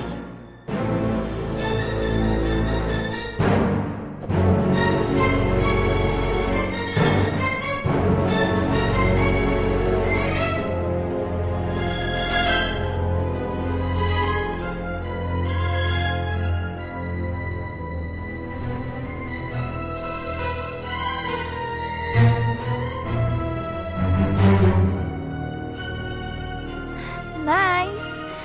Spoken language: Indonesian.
nah mbak niel